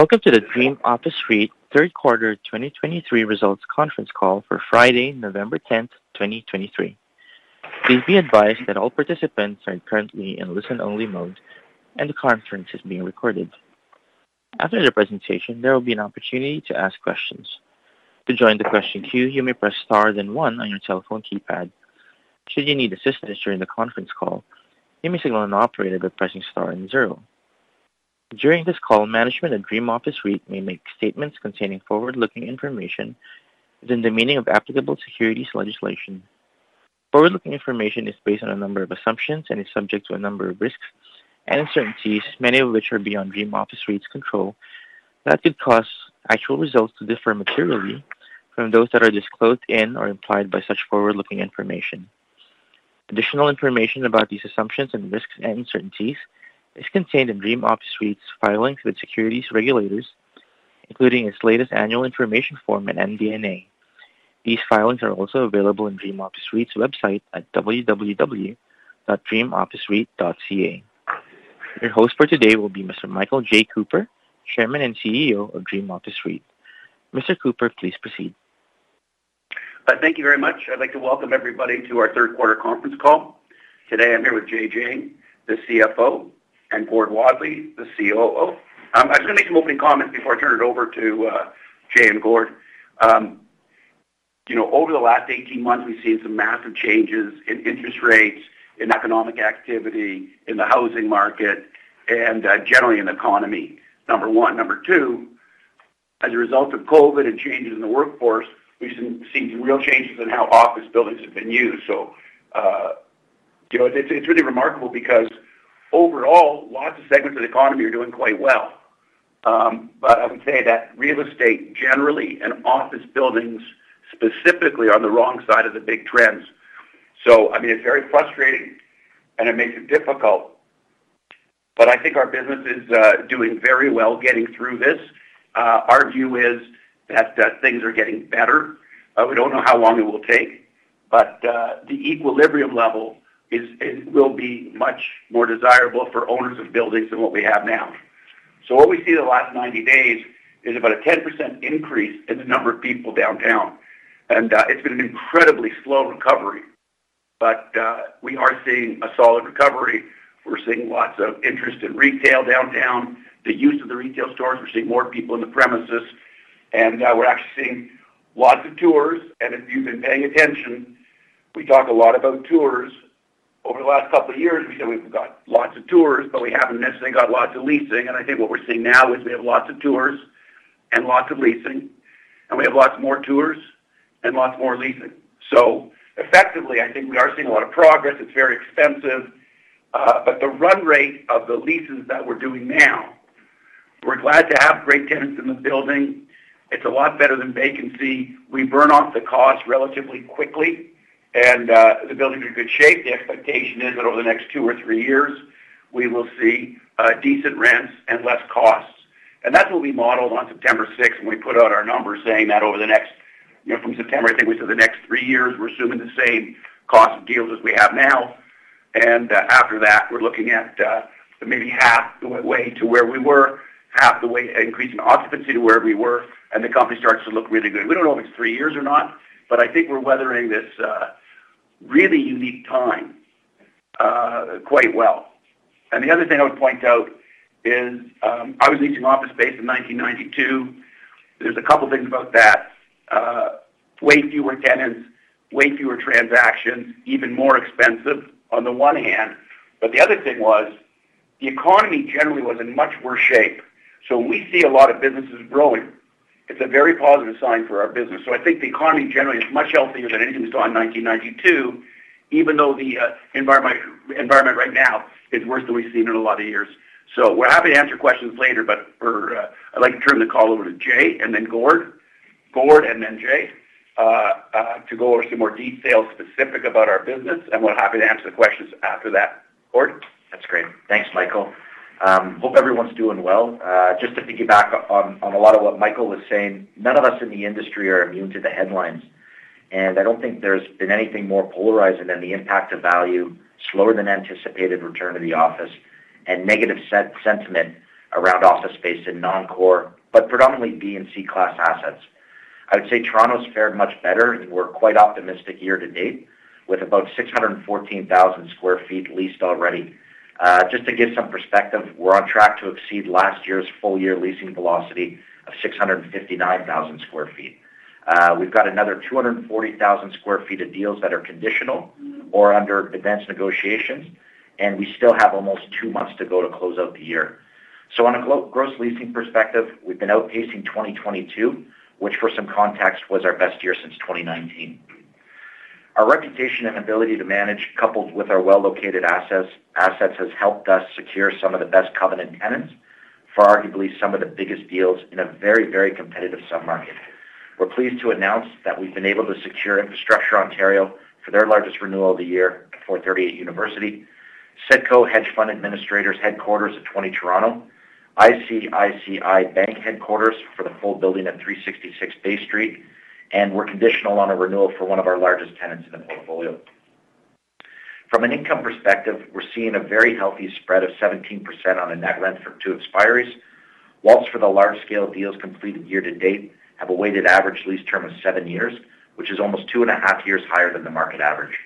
Welcome to the Dream Office REIT Third Quarter 2023 Results Conference Call for Friday, November 10, 2023. Please be advised that all participants are currently in listen-only mode, and the conference is being recorded. After the presentation, there will be an opportunity to ask questions. To join the question queue, you may press star, then one on your telephone keypad. Should you need assistance during the conference call, you may signal an operator by pressing star and zero. During this call, management at Dream Office REIT may make statements containing forward-looking information within the meaning of applicable securities legislation. Forward-looking information is based on a number of assumptions and is subject to a number of risks and uncertainties, many of which are beyond Dream Office REIT's control, that could cause actual results to differ materially from those that are disclosed in or implied by such forward-looking information. Additional information about these assumptions and risks and uncertainties is contained in Dream Office REIT's filings with securities regulators, including its latest annual information form and MD&A. These filings are also available in Dream Office REIT's website at www.dreamofficereit.ca. Your host for today will be Mr. Michael J. Cooper, Chairman and CEO of Dream Office REIT. Mr. Cooper, please proceed. Thank you very much. I'd like to welcome everybody to our third quarter conference call. Today, I'm here with Jay Jiang, the CFO, and Gordon Wadley, the COO. I was going to make some opening comments before I turn it over to Jay and Gordon. You know, over the last 18 months, we've seen some massive changes in interest rates, in economic activity, in the housing market, and generally in the economy, number one. Number two, as a result of COVID and changes in the workforce, we've seen real changes in how office buildings have been used. So you know, it's really remarkable because overall, lots of segments of the economy are doing quite well. But I would say that real estate generally and office buildings, specifically, are on the wrong side of the big trends. So I mean, it's very frustrating and it makes it difficult, but I think our business is doing very well getting through this. Our view is that things are getting better. We don't know how long it will take, but the equilibrium level is, is—will be much more desirable for owners of buildings than what we have now. So what we see in the last 90 days is about a 10% increase in the number of people downtown, and it's been an incredibly slow recovery, but we are seeing a solid recovery. We're seeing lots of interest in retail downtown, the use of the retail stores. We're seeing more people in the premises, and we're actually seeing lots of tours. And if you've been paying attention, we talk a lot about tours. Over the last couple of years, we said we've got lots of tours, but we haven't necessarily got lots of leasing. I think what we're seeing now is we have lots of tours and lots of leasing, and we have lots more tours and lots more leasing. So effectively, I think we are seeing a lot of progress. It's very expensive, but the run rate of the leases that we're doing now, we're glad to have great tenants in the building. It's a lot better than vacancy. We burn off the cost relatively quickly, and the building is in good shape. The expectation is that over the next two or three years, we will see decent rents and less costs. And that's what we modeled on September sixth, when we put out our numbers, saying that over the next, you know, from September, I think we said the next three years, we're assuming the same cost of deals as we have now. And, after that, we're looking at, maybe half the way to where we were, half the way increase in occupancy to where we were, and the company starts to look really good. We don't know if it's three years or not, but I think we're weathering this, really unique time, quite well. And the other thing I would point out is, I was leasing office space in 1992. There's a couple of things about that. Way fewer tenants, way fewer transactions, even more expensive on the one hand, but the other thing was the economy generally was in much worse shape. So we see a lot of businesses growing. It's a very positive sign for our business. So I think the economy generally is much healthier than it was in 1992, even though the environment right now is worse than we've seen in a lot of years. So we're happy to answer questions later, but for... I'd like to turn the call over to Jay and then Gord and then Jay to go over some more details specific about our business, and we're happy to answer the questions after that. Gord? That's great. Thanks, Michael. Hope everyone's doing well. Just to piggyback on, on a lot of what Michael was saying, none of us in the industry are immune to the headlines, and I don't think there's been anything more polarizing than the impact of value, slower than anticipated return to the office, and negative sentiment around office space in non-core, but predominantly Class B and Class C assets. I would say Toronto's fared much better, and we're quite optimistic year to date, with about 614,000 sq ft leased already. Just to give some perspective, we're on track to exceed last year's full-year leasing velocity of 659,000 sq ft. We've got another 240,000 sq ft of deals that are conditional or under advanced negotiations, and we still have almost two months to go to close out the year. So on a gross leasing perspective, we've been outpacing 2022, which, for some context, was our best year since 2019. Our reputation and ability to manage, coupled with our well-located assets, has helped us secure some of the best covenant tenants for arguably some of the biggest deals in a very, very competitive sub-market. We're pleased to announce that we've been able to secure Infrastructure Ontario for their largest renewal of the year at 438 University Avenue, SGGG Fund Services Inc. headquarters at 20 Toronto Street, ICICI Bank headquarters for the full building at 366 Bay Street, and we're conditional on a renewal for one of our largest tenants in the portfolio.... From an income perspective, we're seeing a very healthy spread of 17% on a net rent from two expiries. While for the large-scale deals completed year-to-date, have a weighted average lease term of seven years, which is almost two and a half years higher than the market average.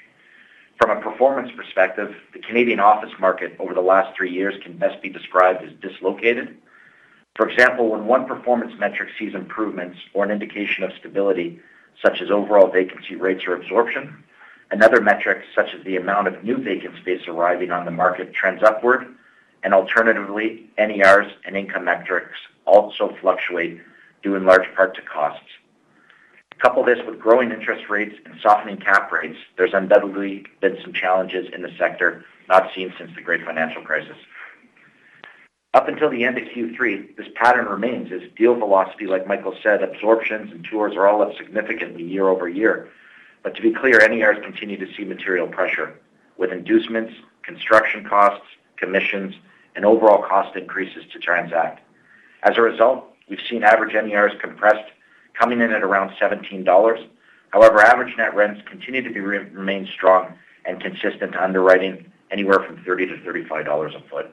From a performance perspective, the Canadian office market over the last three years can best be described as dislocated. For example, when one performance metric sees improvements or an indication of stability, such as overall vacancy rates or absorption, another metric, such as the amount of new vacant space arriving on the market, trends upward, and alternatively, NERs and income metrics also fluctuate, due in large part to costs. Couple this with growing interest rates and softening cap rates. There's undoubtedly been some challenges in the sector not seen since the great financial crisis. Up until the end of Q3, this pattern remains as deal velocity, like Michael said, absorptions and tours are all up significantly year-over-year. But to be clear, NERs continue to see material pressure with inducements, construction costs, commissions, and overall cost increases to transact. As a result, we've seen average NERs compressed, coming in at around 17 dollars. However, average net rents continue to remain strong and consistent to underwriting anywhere from 30-35 dollars a foot.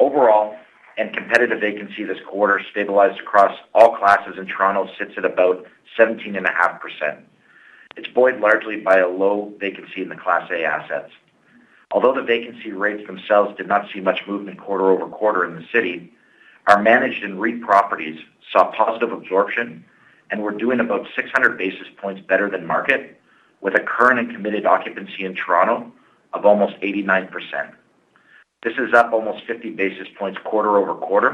Overall, committed vacancy this quarter stabilized across all classes, and Toronto sits at about 17.5%. It's buoyed largely by a low vacancy in the Class A assets. Although the vacancy rates themselves did not see much movement quarter-over-quarter in the city, our managed and REIT properties saw positive absorption, and we're doing about 600 basis points better than market, with a current and committed occupancy in Toronto of almost 89%. This is up almost 50 basis points quarter-over-quarter,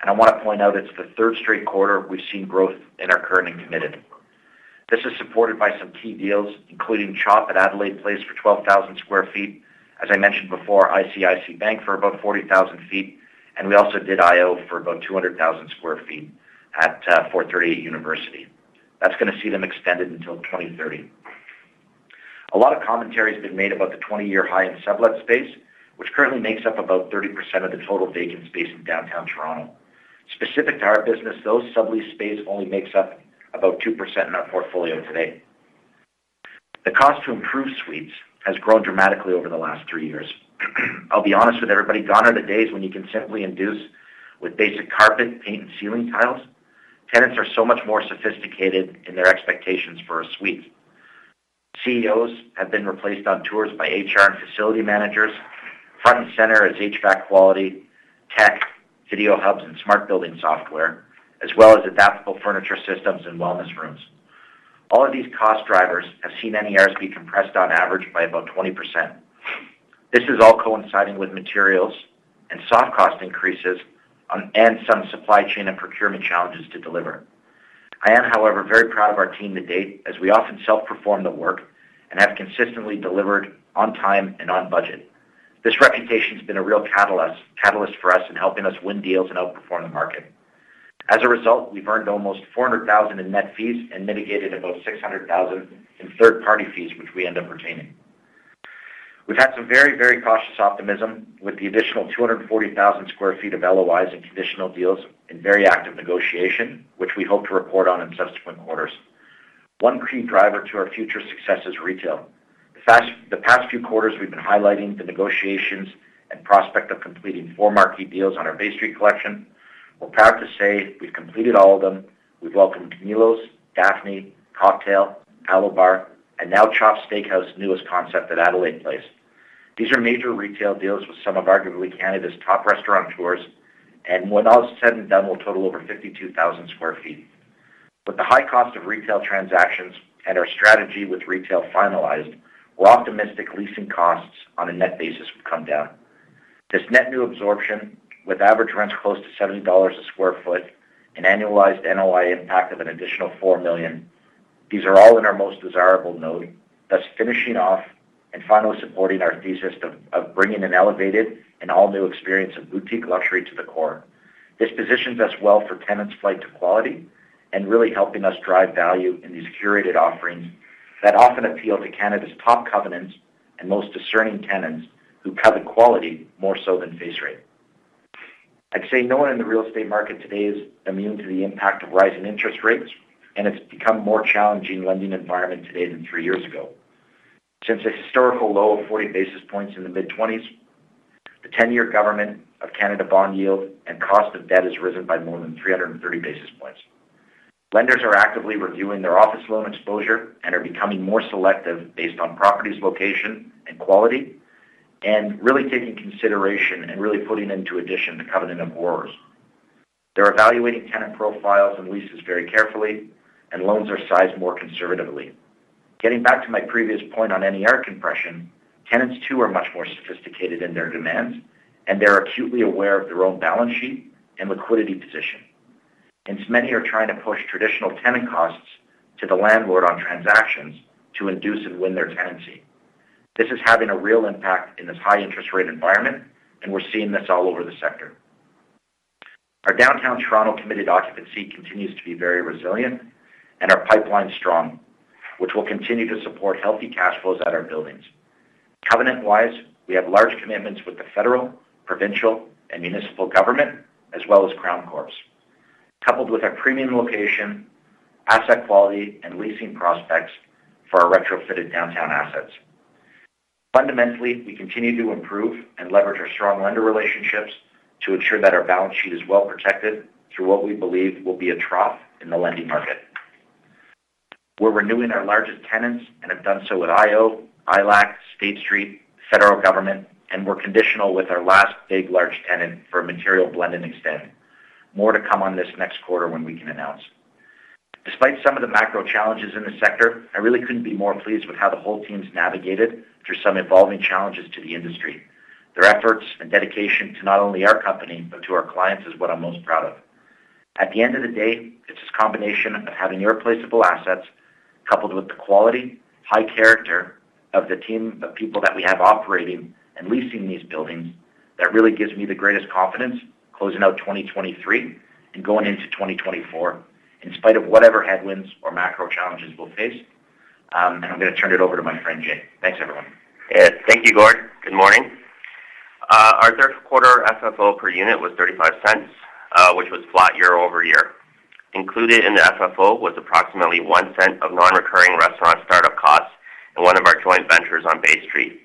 and I want to point out it's the third straight quarter we've seen growth in our current and committed. This is supported by some key deals, including Chop at Adelaide Place for 12,000 sq ft. As I mentioned before, ICICI Bank for about 40,000 sq ft, and we also did IO for about 200,000 sq ft at 438 University. That's going to see them extended until 2030. A lot of commentary has been made about the 20-year high in sublet space, which currently makes up about 30% of the total vacant space in downtown Toronto. Specific to our business, those sublease space only makes up about 2% in our portfolio today. The cost to improve suites has grown dramatically over the last 3 years. I'll be honest with everybody, gone are the days when you can simply induce with basic carpet, paint, and ceiling tiles. Tenants are so much more sophisticated in their expectations for a suite. CEOs have been replaced on tours by HR and facility managers. Front and center is HVAC quality, tech, video hubs, and smart building software, as well as adaptable furniture systems and wellness rooms. All of these cost drivers have seen NERs be compressed on average by about 20%. This is all coinciding with materials and soft cost increases, and some supply chain and procurement challenges to deliver. I am, however, very proud of our team to date, as we often self-perform the work and have consistently delivered on time and on budget. This reputation's been a real catalyst, catalyst for us in helping us win deals and outperform the market. As a result, we've earned almost 400,000 in net fees and mitigated about 600,000 in third-party fees, which we end up retaining. We've had some very, very cautious optimism with the additional 240,000 sq ft of LOIs and conditional deals in very active negotiation, which we hope to report on in subsequent quarters. One key driver to our future success is retail. For the past few quarters, we've been highlighting the negotiations and prospect of completing four marquee deals on our Bay Street collection. We're proud to say we've completed all of them. We've welcomed Milos, Daphne, cocktail bar, Alobar, and now Chop Steakhouse, newest concept at Adelaide Place. These are major retail deals with some of arguably Canada's top restauranteurs, and when all is said and done, will total over 52,000 sq ft. With the high cost of retail transactions and our strategy with retail finalized, we're optimistic leasing costs on a net basis will come down. This net new absorption, with average rents close to 70 dollars a sq ft, an annualized NOI impact of an additional 4 million. These are all in our most desirable node. Thus, finishing off and finally supporting our thesis of, of bringing an elevated and all-new experience of boutique luxury to the core. This positions us well for tenants' flight to quality and really helping us drive value in these curated offerings that often appeal to Canada's top covenants and most discerning tenants who value quality more so than face rate. I'd say no one in the real estate market today is immune to the impact of rising interest rates, and it's become a more challenging lending environment today than three years ago. Since a historical low of 40 basis points in the mid-twenties, the 10-year government of Canada bond yield and cost of debt has risen by more than 330 basis points. Lenders are actively reviewing their office loan exposure and are becoming more selective based on property's location and quality, and really taking consideration and really putting into addition the covenant of borrowers. They're evaluating tenant profiles and leases very carefully, and loans are sized more conservatively. Getting back to my previous point on NER quality, tenants, too, are much more sophisticated in their demands, and they're acutely aware of their own balance sheet and liquidity position. Hence, many are trying to push traditional tenant costs to the landlord on transactions to induce and win their tenancy. This is having a real impact in this high interest rate environment, and we're seeing this all over the sector. Our downtown Toronto committed occupancy continues to be very resilient and our pipeline strong, which will continue to support healthy cash flows at our buildings. Covenant-wise, we have large commitments with the federal, provincial, and municipal government, as well as Crown corporations, coupled with our premium location, asset quality, and leasing prospects for our retrofitted downtown assets. Fundamentally, we continue to improve and leverage our strong lender relationships to ensure that our balance sheet is well protected through what we believe will be a trough in the lending market. We're renewing our largest tenants and have done so with IO, ILAC, State Street, Federal Government, and we're conditional with our last big, large tenant for a material blend and extend. More to come on this next quarter when we can announce. Despite some of the macro challenges in the sector, I really couldn't be more pleased with how the whole team's navigated through some evolving challenges to the industry. Their efforts and dedication to not only our company, but to our clients, is what I'm most proud of. At the end of the day, it's this combination of having irreplaceable assets, coupled with the quality, high character of the team of people that we have operating and leasing these buildings, that really gives me the greatest confidence closing out 2023 and going into 2024, in spite of whatever headwinds or macro challenges we'll face. And I'm going to turn it over to my friend, Jay. Thanks, everyone. Yeah. Thank you, Gord. Good morning. Our third quarter FFO per unit was 0.35, which was flat year-over-year. Included in the FFO was approximately 0.01 of non-recurring restaurant startup costs in one of our joint ventures on Bay Street.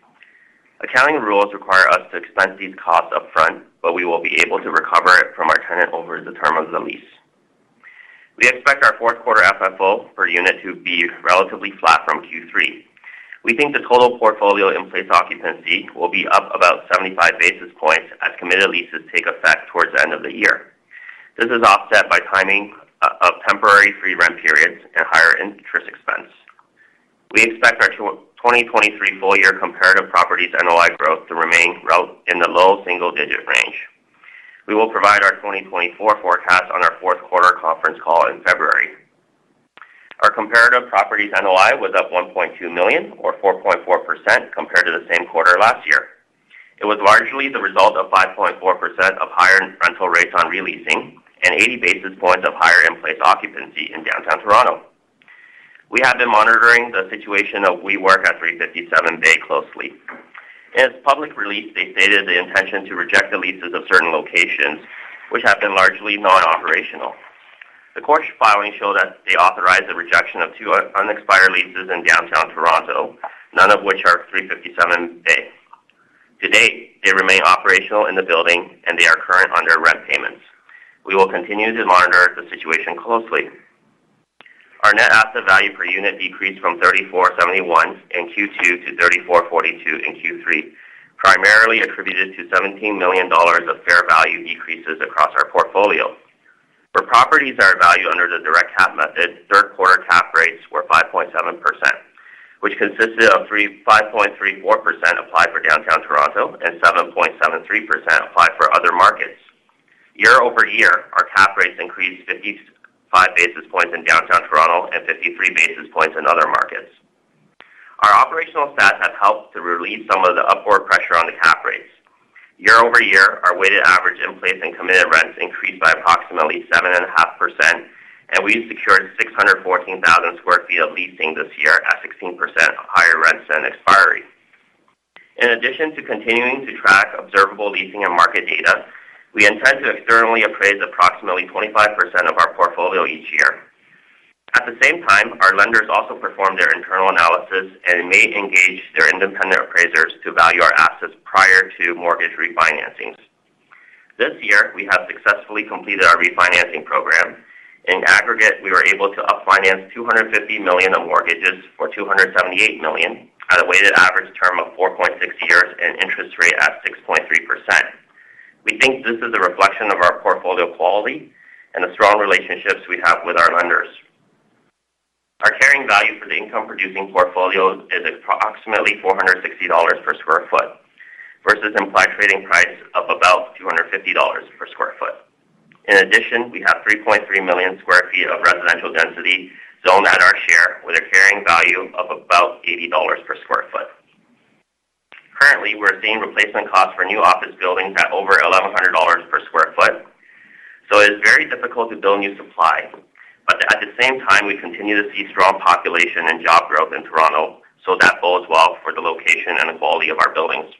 Accounting rules require us to expense these costs upfront, but we will be able to recover it from our tenant over the term of the lease. We expect our fourth quarter FFO per unit to be relatively flat from Q3. We think the total portfolio in-place occupancy will be up about 75 basis points as committed leases take effect towards the end of the year. This is offset by timing of temporary free rent periods and higher interest expense. We expect our 2023 full-year comparative properties NOI growth to remain right in the low single-digit range. We will provide our 2024 forecast on our fourth-quarter conference call in February. Our Comparative Properties NOI was up 1.2 million, or 4.4%, compared to the same quarter last year. It was largely the result of 5.4% of higher rental rates on re-leasing and 80 basis points of higher in-place occupancy in Downtown Toronto. We have been monitoring the situation of WeWork at 357 Bay closely. In its public release, they stated the intention to reject the leases of certain locations, which have been largely non-operational. The court's filings show that they authorized the rejection of two unexpired leases in Downtown Toronto, none of which are 357 Bay. To date, they remain operational in the building and they are current on their rent payments. We will continue to monitor the situation closely. Our net asset value per unit decreased from 34.71 in Q2 to 34.42 in Q3, primarily attributed to 17 million dollars of fair value decreases across our portfolio. For properties that are valued under the direct cap method, third-quarter cap rates were 5.7%, which consisted of 5.34% applied for Downtown Toronto and 7.73% applied for other markets. Year-over-year, our cap rates increased 55 basis points in Downtown Toronto and 53 basis points in other markets. Our operational stats have helped to relieve some of the upward pressure on the cap rates. Year-over-year, our weighted average in-place and committed rents increased by approximately 7.5%, and we secured 614,000 sq ft of leasing this year at 16% higher rents than expiry. In addition to continuing to track observable leasing and market data, we intend to externally appraise approximately 25% of our portfolio each year. At the same time, our lenders also perform their internal analysis and may engage their independent appraisers to value our assets prior to mortgage refinancings. This year, we have successfully completed our refinancing program. In aggregate, we were able to up-finance 250 million of mortgages for 278 million at a weighted average term of 4.6 years and interest rate at 6.3%. We think this is a reflection of our portfolio quality and the strong relationships we have with our lenders. Our carrying value for the income-producing portfolio is approximately 460 dollars per sq ft, versus implied trading price of about 250 dollars per sq ft. In addition, we have 3.3 million sq ft of residential density zoned at our share with a carrying value of about 80 dollars per sq ft. Currently, we're seeing replacement costs for new office buildings at over 1,100 dollars per sq ft. So it is very difficult to build new supply, but at the same time, we continue to see strong population and job growth in Toronto, so that bodes well for the location and the quality of our buildings.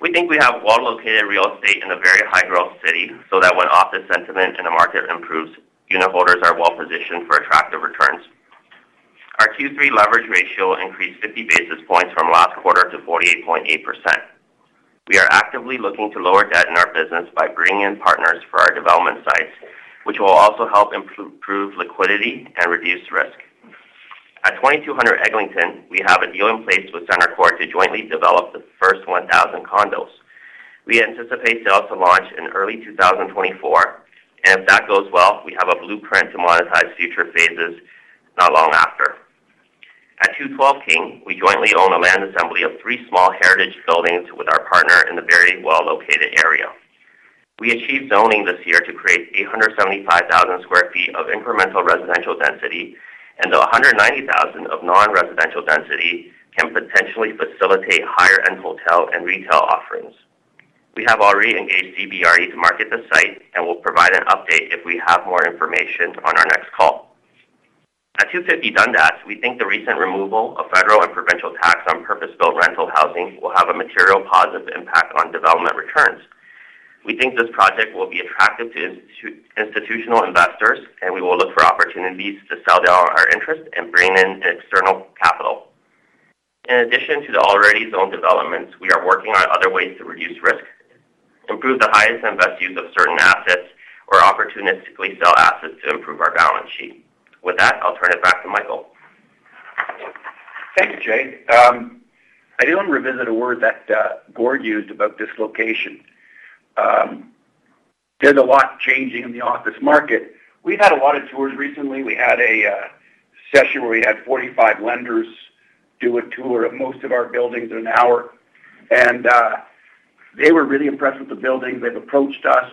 We think we have well-located real estate in a very high-growth city, so that when office sentiment in the market improves, unitholders are well positioned for attractive returns. Our Q3 leverage ratio increased 50 basis points from last quarter to 48.8%. We are actively looking to lower debt in our business by bringing in partners for our development sites, which will also help improve liquidity and reduce risk. At 2200 Eglinton, we have a deal in place with CentreCourt to jointly develop the first 1000 condos. We anticipate sales to launch in early 2024, and if that goes well, we have a blueprint to monetize future phases not long after. At 212 King, we jointly own a land assembly of 3 small heritage buildings with our partner in a very well-located area. We achieved zoning this year to create 875,000 sq ft of incremental residential density, and the 190,000 of non-residential density can potentially facilitate higher-end hotel and retail offerings. We have already engaged CBRE to market the site and will provide an update if we have more information on our next call. At 250 Dundas, we think the recent removal of federal and provincial tax on housing will have a material positive impact on development returns. We think this project will be attractive to institutional investors, and we will look for opportunities to sell down our interest and bring in external capital. In addition to the already zoned developments, we are working on other ways to reduce risk, improve the highest and best use of certain assets, or opportunistically sell assets to improve our balance sheet. With that, I'll turn it back to Michael. Thank you, Jay. I do want to revisit a word that, Gord used about dislocation. There's a lot changing in the office market. We've had a lot of tours recently. We had a session where we had 45 lenders do a tour of most of our buildings in an hour, and they were really impressed with the buildings. They've approached us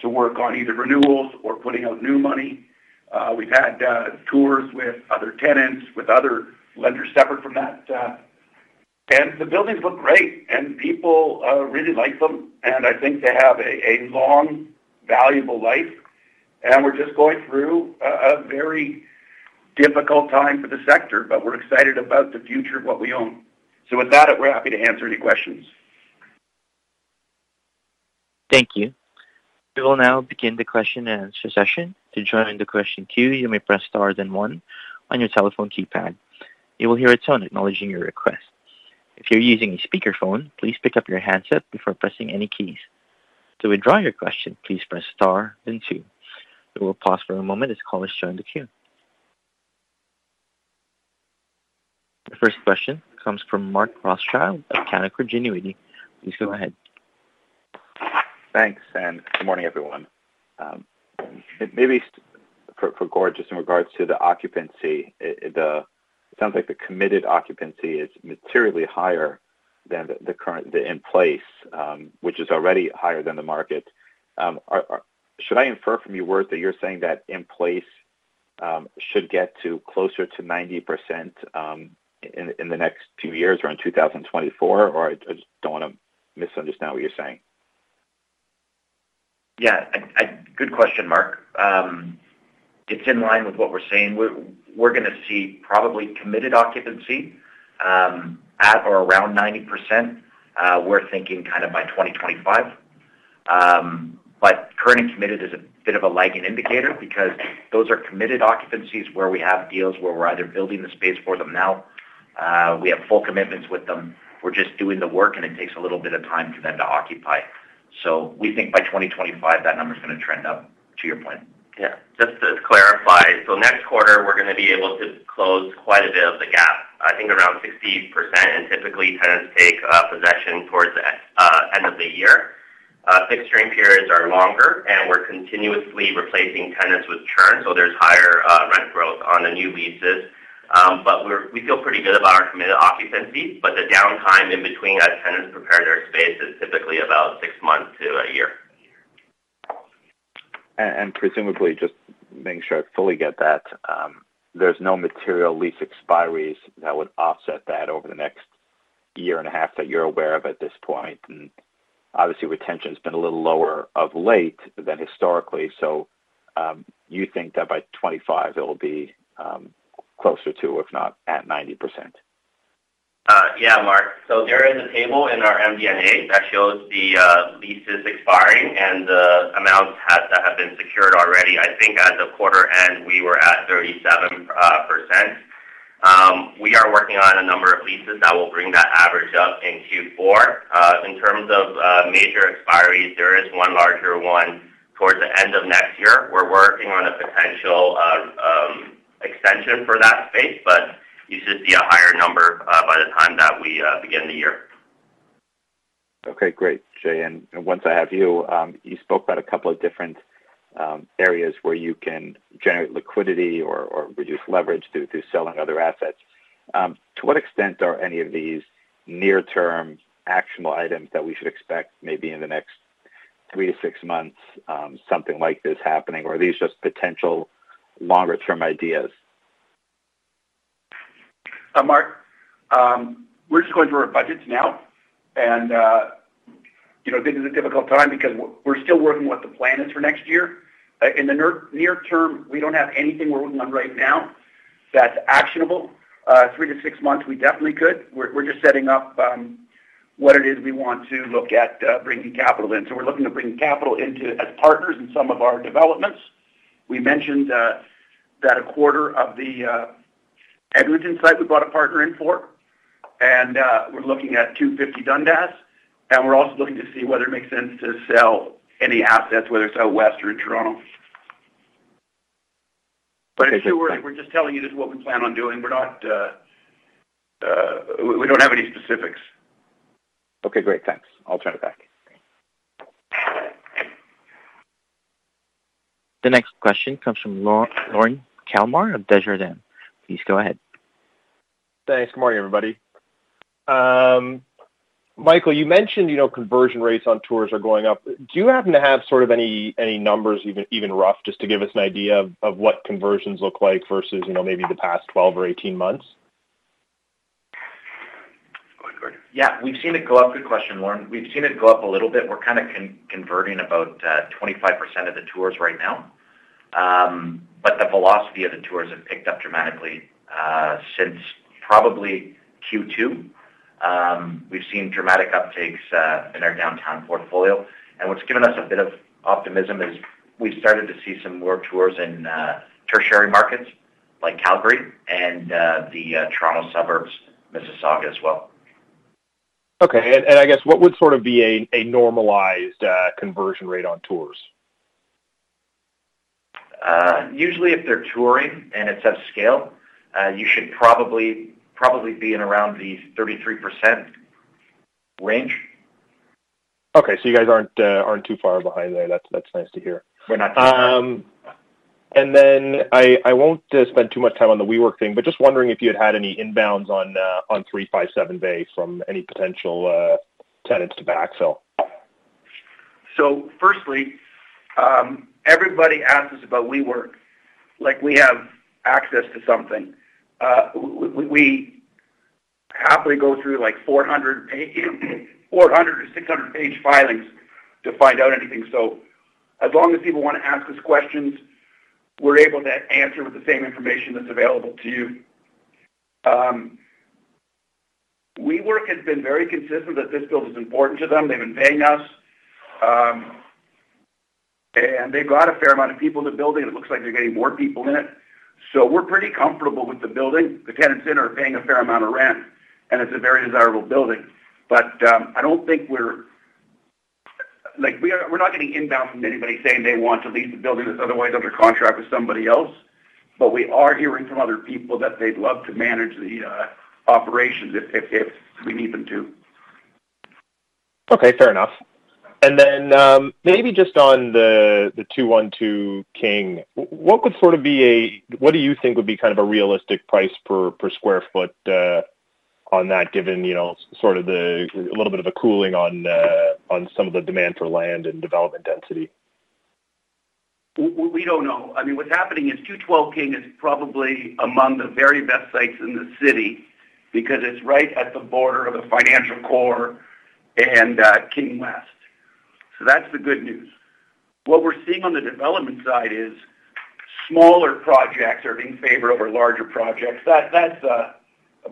to work on either renewals or putting out new money. We've had tours with other tenants, with other lenders separate from that. And the buildings look great, and people really like them. And I think they have a long, valuable life, and we're just going through a very difficult time for the sector, but we're excited about the future of what we own. So with that, we're happy to answer any questions. Thank you. We will now begin the question and answer session. To join the question queue, you may press star, then one on your telephone keypad. You will hear a tone acknowledging your request. If you're using a speakerphone, please pick up your handset before pressing any keys. To withdraw your question, please press star and two. We will pause for a moment as callers join the queue. The first question comes from Mark Rothschild of Canaccord Genuity. Please go ahead. Thanks, and good morning, everyone. Maybe for Gord, just in regards to the occupancy, it sounds like the committed occupancy is materially higher than the current in-place, which is already higher than the market. Should I infer from your word that you're saying that in-place should get to closer to 90%, in the next few years, around 2024? Or I just don't want to misunderstand what you're saying. Yeah, good question, Mark. It's in line with what we're saying. We're going to see probably committed occupancy at or around 90%. We're thinking kind of by 2025. But current and committed is a bit of a lagging indicator because those are committed occupancies where we have deals where we're either building the space for them now, we have full commitments with them. We're just doing the work, and it takes a little bit of time for them to occupy. So we think by 2025, that number is going to trend up to your point. Yeah. Just to clarify, so next quarter, we're going to be able to close quite a bit of the gap, I think, around 60%, and typically, tenants take possession towards the end of the year. Fixturing periods are longer, and we're continuously replacing tenants with churn, so there's higher rent growth on the new leases. But we feel pretty good about our committed occupancy, but the downtime in between as tenants prepare their space is typically about six months to a year. And presumably, just making sure I fully get that, there's no material lease expiries that would offset that over the next year and a half that you're aware of at this point. And obviously, retention's been a little lower of late than historically. So, you think that by 2025, it'll be closer to, if not at 90%? Yeah, Mark. So there is a table in our MD&A that shows the leases expiring and the amounts that have been secured already. I think at the quarter end, we were at 37%. We are working on a number of leases that will bring that average up in Q4. In terms of major expiries, there is one larger one towards the end of next year. We're working on a potential extension for that space, but you should see a higher number by the time that we begin the year. Okay, great, Jay. And once I have you, you spoke about a couple of different areas where you can generate liquidity or, or reduce leverage through, through selling other assets. To what extent are any of these near-term actionable items that we should expect maybe in the next three to six months, something like this happening? Or are these just potential longer-term ideas? Mark, we're just going through our budgets now, and, you know, this is a difficult time because we're still working what the plan is for next year. In the near term, we don't have anything we're working on right now that's actionable. Three to six months, we definitely could. We're just setting up what it is we want to look at, bringing capital in. So we're looking to bring capital into as partners in some of our developments. We mentioned that a quarter of the Edmonton site, we brought a partner in for, and we're looking at 250 Dundas, and we're also looking to see whether it makes sense to sell any assets, whether it's out west or in Toronto. But we're just telling you this is what we plan on doing. We're not, we don't have any specifics. Okay, great. Thanks. I'll turn it back. The next question comes from Lorne Kalmar of Desjardins. Please go ahead. Thanks. Good morning, everybody. Michael, you mentioned, you know, conversion rates on tours are going up. Do you happen to have sort of any numbers, even rough, just to give us an idea of what conversions look like versus, you know, maybe the past 12 or 18 months? Go ahead, Gord. Yeah, we've seen it go up. Good question, Lorne. We've seen it go up a little bit. We're kind of converting about 25% of the tours right now. ... but the velocity of the tours have picked up dramatically, since probably Q2. We've seen dramatic uptakes, in our downtown portfolio, and what's given us a bit of optimism is we've started to see some more tours in, tertiary markets like Calgary and, the, Toronto suburbs, Mississauga as well. Okay. I guess what would sort of be a normalized conversion rate on tours? Usually if they're touring and it's at scale, you should probably be in around the 33% range. Okay, so you guys aren't too far behind there. That's nice to hear. We're not. And then I won't spend too much time on the WeWork thing, but just wondering if you had had any inbounds on on 357 Bay from any potential tenants to backfill? Firstly, everybody asks us about WeWork, like we have access to something. We happily go through, like, 400-page, 400- to 600-page filings to find out anything. So as long as people want to ask us questions, we're able to answer with the same information that's available to you. WeWork has been very consistent that this building is important to them. They've been paying us, and they've got a fair amount of people in the building, and it looks like they're getting more people in it. So we're pretty comfortable with the building. The tenants in are paying a fair amount of rent, and it's a very desirable building. But, I don't think we're... Like, we are, we're not getting inbound from anybody saying they want to lease the building that's otherwise under contract with somebody else. But we are hearing from other people that they'd love to manage the operations if we need them to. Okay, fair enough. And then, maybe just on the 212 King, what do you think would be kind of a realistic price per square foot on that, given, you know, sort of a little bit of a cooling on some of the demand for land and development density? We don't know. I mean, what's happening is 212 King is probably among the very best sites in the city because it's right at the border of the financial core and King West. So that's the good news. What we're seeing on the development side is smaller projects are in favor over larger projects. That's about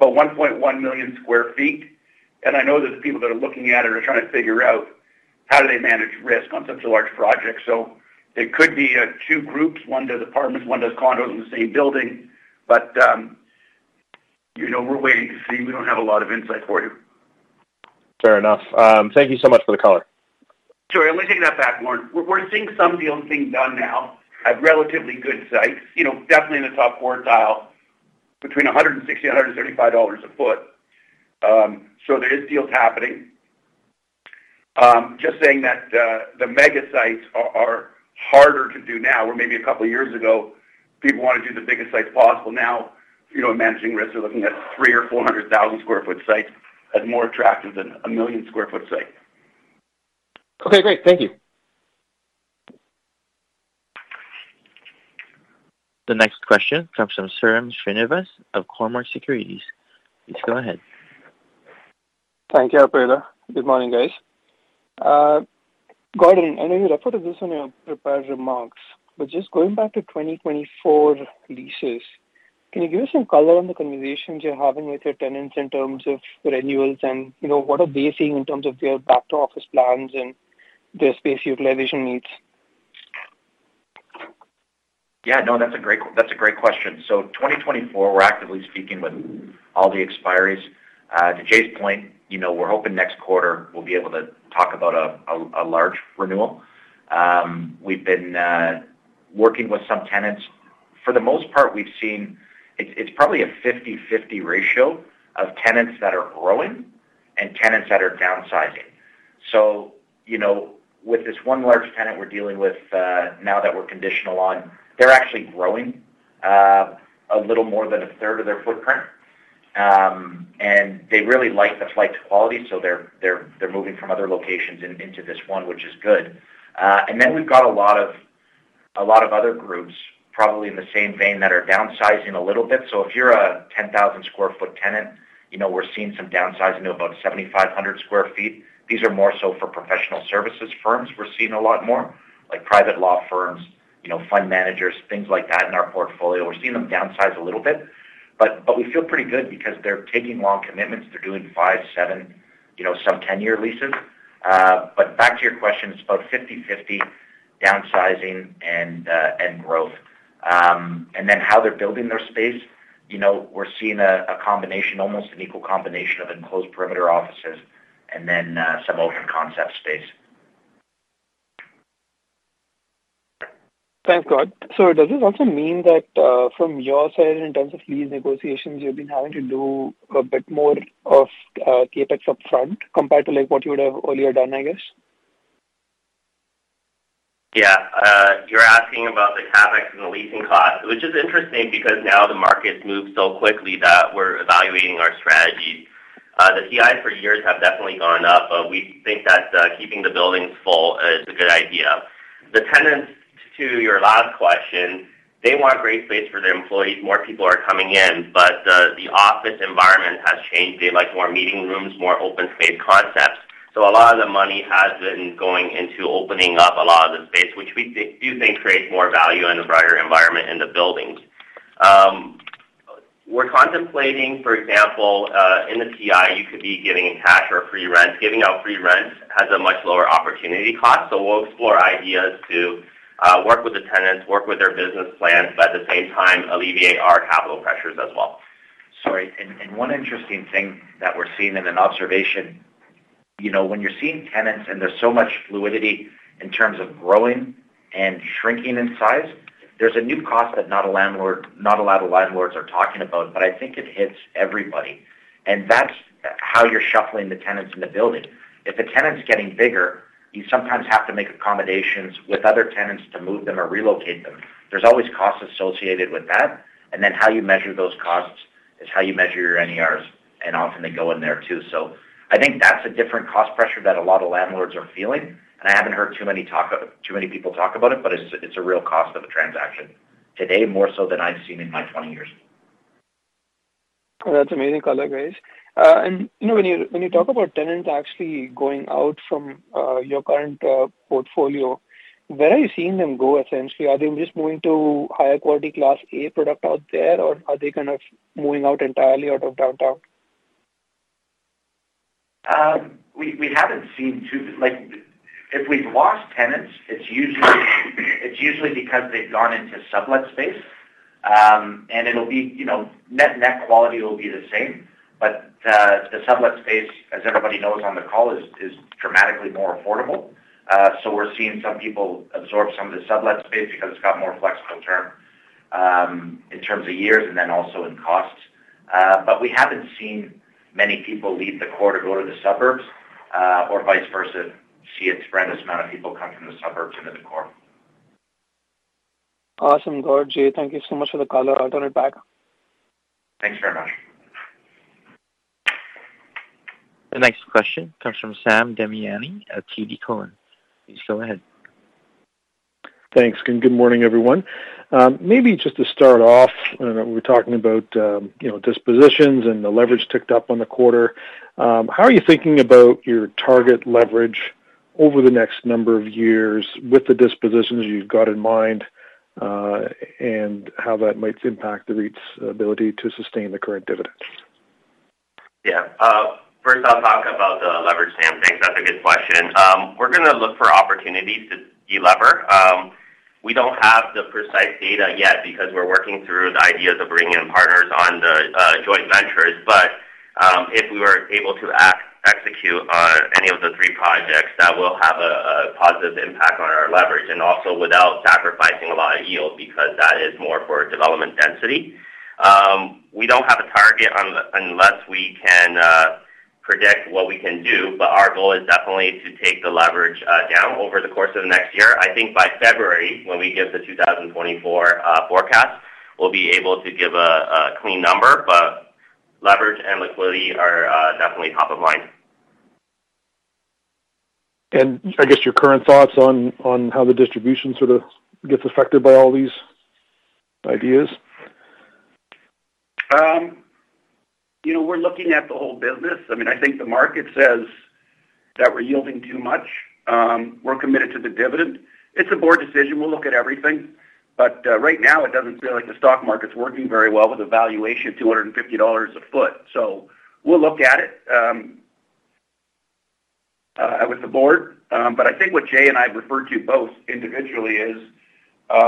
1.1 million sq ft. And I know there's people that are looking at it, are trying to figure out how do they manage risk on such a large project. So it could be two groups, one does apartments, one does condos in the same building, but you know, we're waiting to see. We don't have a lot of insight for you. Fair enough. Thank you so much for the color. Sure. Let me take that back, Warren. We're, we're seeing some deals being done now at relatively good sites. You know, definitely in the top quartile, between 160 and 135 dollars a foot. So there is deals happening. Just saying that, the mega sites are, are harder to do now, where maybe a couple of years ago, people wanted to do the biggest sites possible. Now, you know, managing risks, they're looking at 300,000 or 400,000 sq ft sites as more attractive than a 1 million sq ft site. Okay, great. Thank you. The next question comes from Sairam Srinivas of Cormark Securities. Please go ahead. Thank you, Operator. Good morning, guys. Gordon, I know you referred to this in your prepared remarks, but just going back to 2024 leases, can you give us some color on the conversations you're having with your tenants in terms of renewals and, you know, what are they seeing in terms of their back-to-office plans and their space utilization needs? Yeah, no, that's a great, that's a great question. So 2024, we're actively speaking with all the expiries. To Jay's point, you know, we're hoping next quarter we'll be able to talk about a large renewal. We've been working with some tenants. For the most part, we've seen... It's probably a 50/50 ratio of tenants that are growing and tenants that are downsizing. So, you know, with this one large tenant we're dealing with, now that we're conditional on, they're actually growing a little more than a third of their footprint. And they really like the flight to quality, so they're moving from other locations into this one, which is good. And then we've got a lot of other groups, probably in the same vein, that are downsizing a little bit. So if you're a 10,000 sq ft tenant, you know, we're seeing some downsizing to about 7,500 sq ft. These are more so for professional services firms. We're seeing a lot more, like private law firms, you know, fund managers, things like that in our portfolio. We're seeing them downsize a little bit, but we feel pretty good because they're taking long commitments. They're doing 5, 7, you know, some 10-year leases. But back to your question, it's about 50/50 downsizing and growth. And then how they're building their space, you know, we're seeing a combination, almost an equal combination of enclosed perimeter offices and then some open concept space. Thanks, Gordon. So does this also mean that, from your side, in terms of lease negotiations, you've been having to do a bit more of, CapEx upfront compared to, like, what you would have earlier done, I guess? Yeah. You're asking about the CapEx and the leasing cost, which is interesting because now the market's moved so quickly that we're evaluating our strategy. The TI for years have definitely gone up, but we think that keeping the buildings full is a good idea. The tenants, to your last question, they want great space for their employees. More people are coming in, but the office environment has changed. They like more meeting rooms, more open space concepts.... So a lot of the money has been going into opening up a lot of the space, which we do think creates more value in the broader environment in the buildings. We're contemplating, for example, in the TI, you could be giving cash or free rent. Giving out free rent has a much lower opportunity cost, so we'll explore ideas to work with the tenants, work with their business plans, but at the same time, alleviate our capital pressures as well. Sorry, one interesting thing that we're seeing in an observation, you know, when you're seeing tenants and there's so much fluidity in terms of growing and shrinking in size, there's a new cost that not a lot of landlords are talking about, but I think it hits everybody, and that's how you're shuffling the tenants in the building. If the tenant's getting bigger, you sometimes have to make accommodations with other tenants to move them or relocate them. There's always costs associated with that, and then how you measure those costs is how you measure your NERs, and often they go in there, too. So I think that's a different cost pressure that a lot of landlords are feeling, and I haven't heard too many talk about... Too many people talk about it, but it's a, it's a real cost of a transaction. Today, more so than I've seen in my 20 years. Well, that's amazing color, guys. And, you know, when you talk about tenants actually going out from your current portfolio, where are you seeing them go essentially? Are they just moving to higher quality Class A product out there, or are they kind of moving out entirely of downtown? We haven't seen too—like, if we've lost tenants, it's usually because they've gone into sublet space. And it'll be, you know, net quality will be the same. But the sublet space, as everybody knows on the call, is dramatically more affordable. So we're seeing some people absorb some of the sublet space because it's got more flexible term in terms of years and then also in costs. But we haven't seen many people leave the core to go to the suburbs, or vice versa, see a tremendous amount of people come from the suburbs into the core. Awesome. Good, Jay, thank you so much for the color. I'll turn it back. Thanks very much. The next question comes from Sam Damiani at TD Cowen. Please go ahead. Thanks, and good morning, everyone. Maybe just to start off, I know we're talking about, you know, dispositions and the leverage ticked up on the quarter. How are you thinking about your target leverage over the next number of years with the dispositions you've got in mind, and how that might impact the REIT's ability to sustain the current dividends? Yeah, first, I'll talk about the leverage, Sam. Thanks. That's a good question. We're going to look for opportunities to delever. We don't have the precise data yet because we're working through the ideas of bringing in partners on the joint ventures. But if we were able to execute any of the three projects, that will have a positive impact on our leverage and also without sacrificing a lot of yield, because that is more for development density. We don't have a target unless we can predict what we can do, but our goal is definitely to take the leverage down over the course of the next year. I think by February, when we give the 2024 forecast, we'll be able to give a clean number, but leverage and liquidity are definitely top of mind. I guess your current thoughts on how the distribution sort of gets affected by all these ideas? You know, we're looking at the whole business. I mean, I think the market says that we're yielding too much. We're committed to the dividend. It's a board decision. We'll look at everything, but right now, it doesn't feel like the stock market's working very well with a valuation of 250 dollars a foot. So we'll look at it with the board. But I think what Jay and I have referred to both individually is,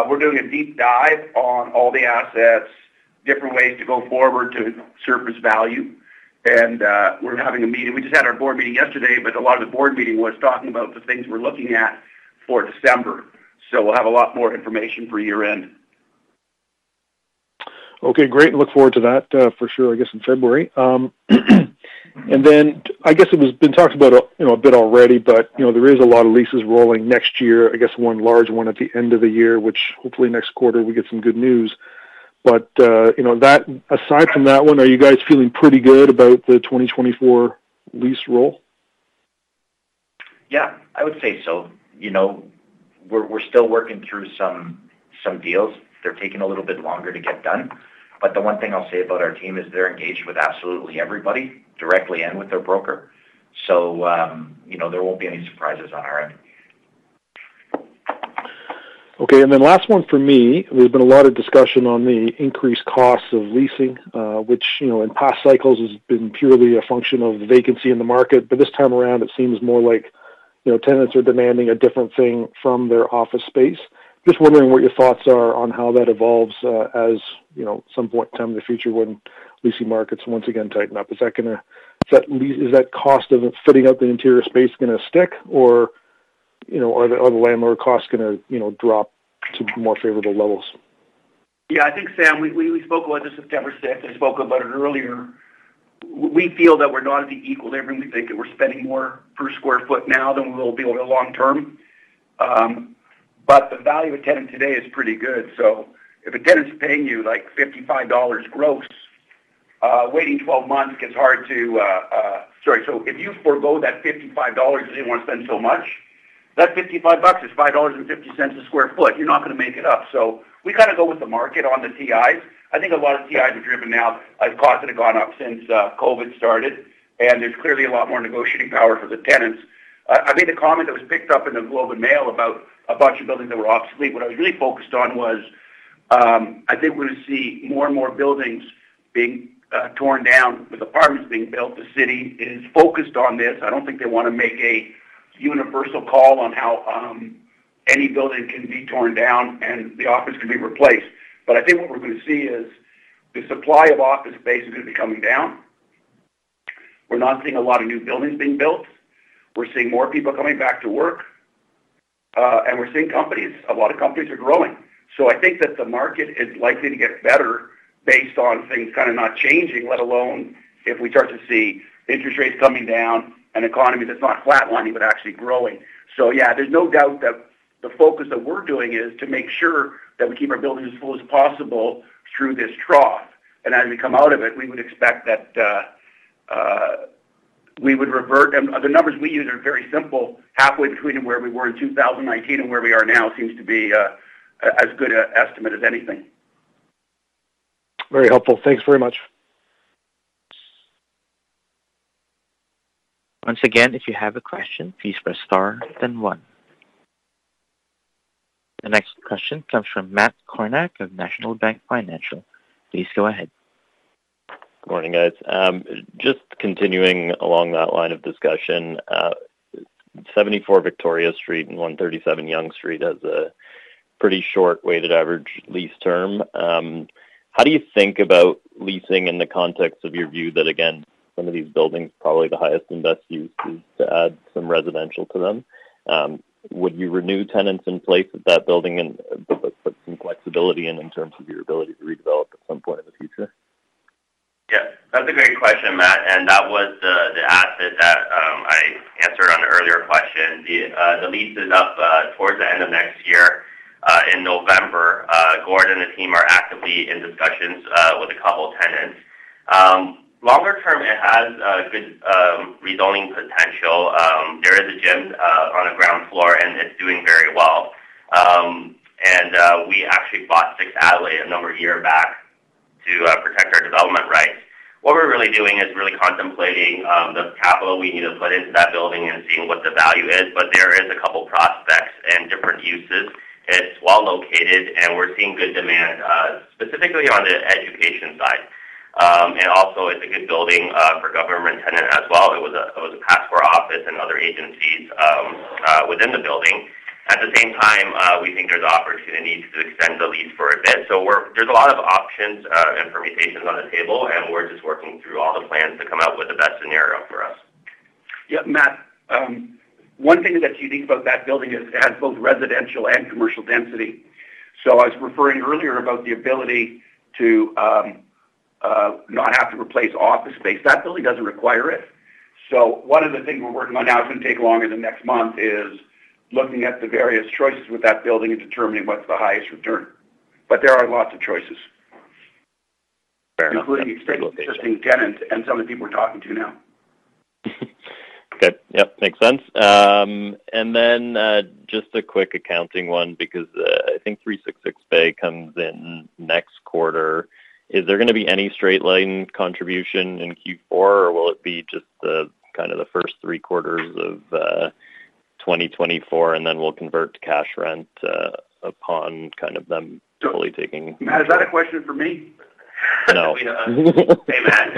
we're doing a deep dive on all the assets, different ways to go forward to surface value. We're having a meeting. We just had our board meeting yesterday, but a lot of the board meeting was talking about the things we're looking at for December. So we'll have a lot more information for year-end. Okay, great. Look forward to that, for sure, I guess, in February. And then I guess it was been talked about, you know, a bit already, but, you know, there is a lot of leases rolling next year. I guess one large one at the end of the year, which hopefully next quarter we get some good news. But, you know, that aside from that one, are you guys feeling pretty good about the 2024 lease roll? Yeah, I would say so. You know, we're still working through some deals. They're taking a little bit longer to get done. But the one thing I'll say about our team is they're engaged with absolutely everybody, directly and with their broker. So, you know, there won't be any surprises on our end. Okay, and then last one for me. There's been a lot of discussion on the increased costs of leasing, which, you know, in past cycles, has been purely a function of vacancy in the market. But this time around, it seems more like, you know, tenants are demanding a different thing from their office space. Just wondering what your thoughts are on how that evolves, as, you know, some point in time in the future when leasing markets once again tighten up. Is that cost of fitting out the interior space gonna stick or, you know, are the, are the landlord costs gonna, you know, drop to more favorable levels? Yeah, I think, Sam, we spoke about this September sixth. I spoke about it earlier. We feel that we're not at the equilibrium. We think that we're spending more per sq ft now than we will be over the long term. But the value of tenant today is pretty good. So if a tenant's paying you, like, 55 dollars gross, waiting 12 months, it's hard to. So if you forego that 55 dollars because you didn't want to spend so much. That 55 bucks is 5.50 dollars a sq ft. You're not going to make it up. So we kind of go with the market on the TIs. I think a lot of TIs are driven now as costs have gone up since COVID started, and there's clearly a lot more negotiating power for the tenants. I made a comment that was picked up in the Globe and Mail about a bunch of buildings that were obsolete. What I was really focused on was, I think we're going to see more and more buildings being torn down with apartments being built. The city is focused on this. I don't think they want to make a universal call on how any building can be torn down and the office can be replaced. But I think what we're going to see is the supply of office space is going to be coming down. We're not seeing a lot of new buildings being built. We're seeing more people coming back to work, and we're seeing companies. A lot of companies are growing. So I think that the market is likely to get better based on things kind of not changing, let alone if we start to see interest rates coming down, an economy that's not flatlining, but actually growing. So yeah, there's no doubt that the focus that we're doing is to make sure that we keep our buildings as full as possible through this trough. And as we come out of it, we would expect that we would revert. And the numbers we use are very simple, halfway between where we were in 2019 and where we are now seems to be as good an estimate as anything. Very helpful. Thanks very much. Once again, if you have a question, please press star, then one. The next question comes from Matt Kornack of National Bank Financial. Please go ahead. Good morning, guys. Just continuing along that line of discussion, 74 Victoria Street and 137 Yonge Street has a pretty short weighted average lease term. How do you think about leasing in the context of your view that, again, some of these buildings, probably the highest and best use is to add some residential to them? Would you renew tenants in place at that building and put some flexibility in, in terms of your ability to redevelop at some point in the future? Yes, that's a great question, Matt, and that was the asset that I answered on an earlier question. The lease is up towards the end of next year in November. Gord and the team are actively in discussions with a couple of tenants. Longer term, it has a good rezoning potential. There is a gym on the ground floor, and it's doing very well. And we actually bought the alley a number of years back to protect our development rights. What we're really doing is really contemplating the capital we need to put into that building and seeing what the value is, but there is a couple of prospects and different uses. It's well located, and we're seeing good demand specifically on the education side. And also it's a good building for government tenant as well. It was a passport office and other agencies within the building. At the same time, we think there's an opportunity to extend the lease for a bit. So we're. There's a lot of options and permutations on the table, and we're just working through all the plans to come out with the best scenario for us. Yeah, Matt, one thing that's unique about that building is it has both residential and commercial density. So I was referring earlier about the ability to not have to replace office space. That building doesn't require it. So one of the things we're working on now, it's going to take longer than next month, is looking at the various choices with that building and determining what's the highest return. But there are lots of choices. Fair enough. Including existing tenants and some of the people we're talking to now. Okay. Yep, makes sense. And then, just a quick accounting one, because I think 366 Bay comes in next quarter. Is there going to be any straight line contribution in Q4, or will it be just the, kind of, the first three quarters of 2024, and then we'll convert to cash rent, upon kind of them totally taking? Matt, is that a question for me? No. Hey, Matt.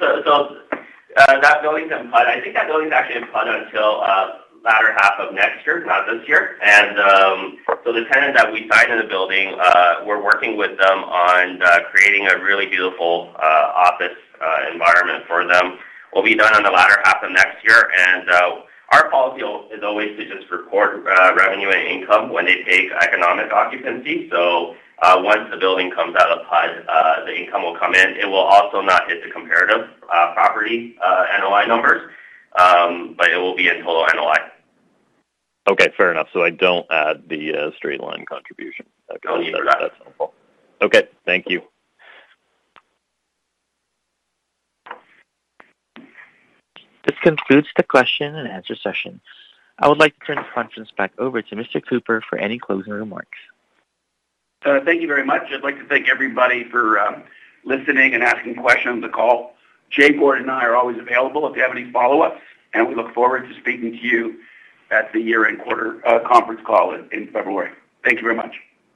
So, so, that building's in PUD. I think that building is actually in PUD until, latter half of next year, not this year. And, so the tenant that we signed in the building, we're working with them on, creating a really beautiful, office environment for them. We'll be done in the latter half of next year, and, our policy is always to just record, revenue and income when they take economic occupancy. So, once the building comes out of PUD, the income will come in. It will also not hit the comparative, property, NOI numbers, but it will be in total NOI. Okay, fair enough. So I don't add the straight line contribution? No, you do not. That's helpful. Okay. Thank you. This concludes the question and answer session. I would like to turn the conference back over to Mr. Cooper for any closing remarks. Thank you very much. I'd like to thank everybody for listening and asking questions on the call. Jay, Gord, and I are always available if you have any follow-ups, and we look forward to speaking to you at the year-end quarter conference call in February. Thank you very much.